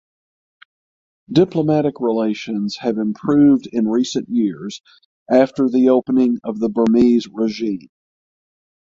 Diplomatic relations have improved in recent years after the opening of the Burmese regime.